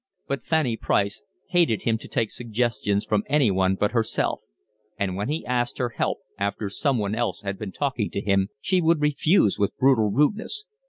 But Fanny Price hated him to take suggestions from anyone but herself, and when he asked her help after someone else had been talking to him she would refuse with brutal rudeness.